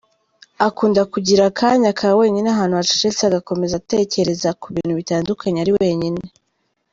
Akunda kugira akanya ka wenyine ahantu hacecetse agakomeza atekereza ku bintu bitandukanye ari wenyine.